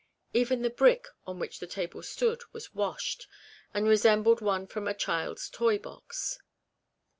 Even the brick on which the table stood was washed, and resembled one from a child's toy box.